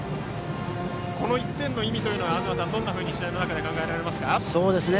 この１点の意味はどんなふうに試合の中で考えられますか。